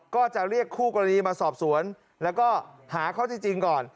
ก็จะเรียกคู่กรณีมาสอบสวนแล้วก็หาข้อที่จริงก่อน